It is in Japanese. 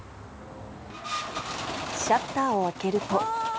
シャッターを開けると。